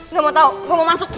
gak mau tau gue mau masuk